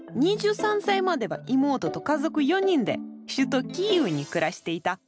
２３歳までは妹と家族４人で首都キーウに暮らしていた。